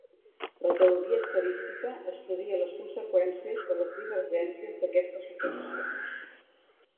La teoria estadística estudia les conseqüències de les divergències d'aquestes suposicions.